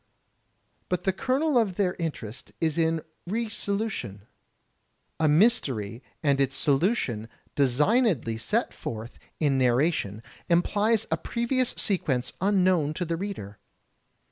But the kernel of their interest is re solution. A mystery and its solution designedly set forth in narra tion, implies a previous sequence unknown to the reader.